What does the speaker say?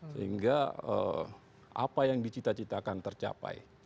sehingga apa yang dicita citakan tercapai